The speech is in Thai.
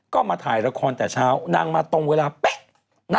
ก็มาถ่ายละครแต่เช้านางมาตรงเวลาเป๊ะ